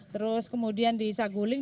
terus kemudian di saguling